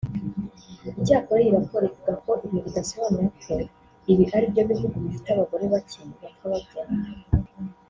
Icyakora iyi raporo ivuga ko ibi bidasobanura ko ibi ari byo bihugu bifite abagore bake bapfa babyara